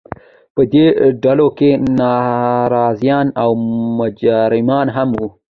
په دې ډلو کې ناراضیان او مجرمان هم وو.